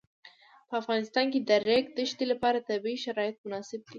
په افغانستان کې د د ریګ دښتې لپاره طبیعي شرایط مناسب دي.